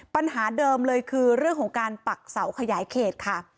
ปัญหาเดิมเลยคือเรื่องของการปักเสาขยายเขตค่ะ